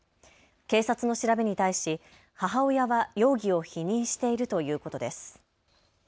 警察の調べに対し、母親は容疑を否認しているということです。